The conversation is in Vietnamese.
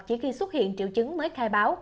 chỉ khi xuất hiện triệu chứng mới khai báo